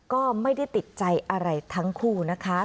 ก็ไม่ได้ติดใจอะไรทั้งคู่นะคะ